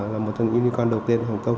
là một trong những unicorn đầu tiên ở hồng kông